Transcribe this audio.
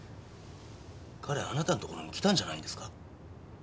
彼あなたのところに来たんじゃないんですか？